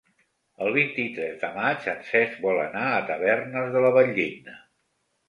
El vint-i-tres de maig en Cesc vol anar a Tavernes de la Valldigna.